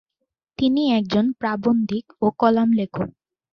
তিনি একজন প্রাবন্ধিক ও কলাম লেখক।